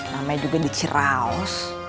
namanya juga diceraus